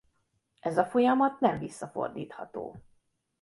Ez a folyamat nem visszafordítható.